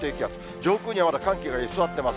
上空にはまだ寒気が居座ってます。